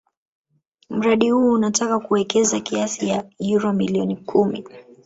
Mradi huu unataka kuwekeza kiasi ya euro milioni kumi